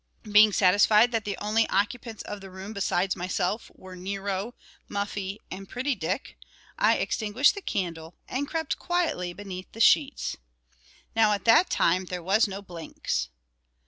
Being satisfied that the only occupants of the room besides myself were Nero, Muffie, and Pretty Dick, I extinguished the candle and crept quietly beneath the sheets. Now at that time there was no Blinks.